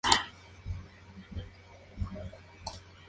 Tuvo un paso por España, en el Lleida.